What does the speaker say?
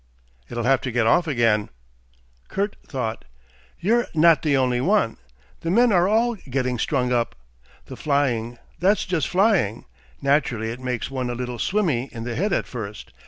"It'll have to get off again...." Kurt thought. "You're not the only one. The men are all getting strung up. The flying that's just flying. Naturally it makes one a little swimmy in the head at first.